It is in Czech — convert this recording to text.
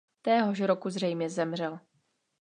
Téhož roku zřejmě zemřel.